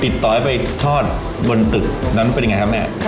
ต่อให้ไปทอดบนตึกนั้นเป็นยังไงครับแม่